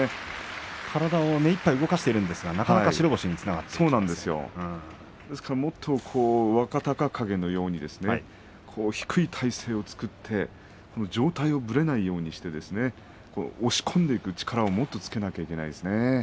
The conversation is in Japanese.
体を目いっぱい動かしているんですが、なかなかもっと若隆景のように低い体勢を作っていい状態でぶれないようにして押し込んでいく力をもっとつけなきゃいけないですね。